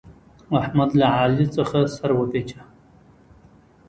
احمد له علي څخه سر وپېچه.